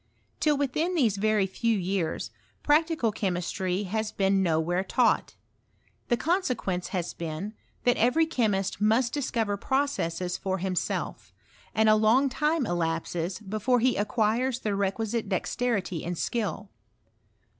Till within these very few years, practical chemistry has been nowhere taught. The consequence has been, that every chemist must discover processes for himself; and a long time elapses before he acquires the requisite dexterity and skill.